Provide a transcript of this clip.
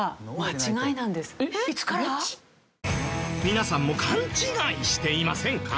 皆さんも勘違いしていませんか？